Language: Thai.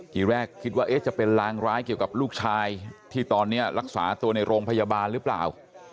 ทีแรกคิดว่าจะเป็นรางร้ายเกี่ยวกับลูกชายที่ตอนนี้รักษาตัวในโรงพยาบาลหรือเปล่า